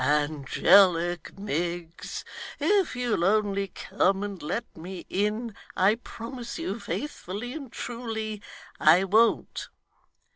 Angelic Miggs! If you'll only come and let me in, I promise you faithfully and truly I won't.